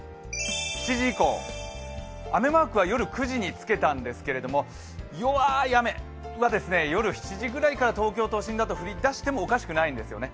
７時以降、雨マークは夜９時につけたんですけれども弱い雨は夜７時ぐらいから東京都心から降りだしてもおかしくないんですよね。